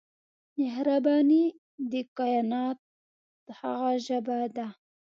مهرباني د کائنات هغه ژبه ده.